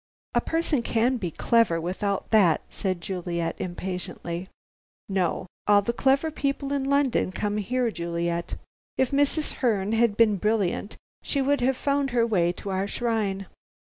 "A person can be clever without that," said Juliet impatiently. "No. All the clever people in London come here, Juliet. If Mrs. Herne had been brilliant, she would have found her way to our Shrine."